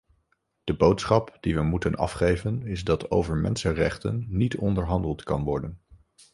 De boodschap die we moeten afgeven is dat over mensenrechten niet onderhandeld kan worden.